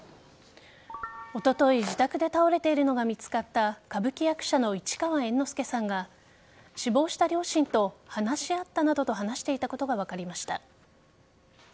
おととい自宅で倒れているのが見つかった歌舞伎役者の市川猿之助さんが死亡した両親と話し合ったなどと話していたことが分かりました。